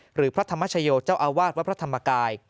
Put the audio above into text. หรือพระธรรมชโยเจ้าอาวาสวัดพระธรรมกาย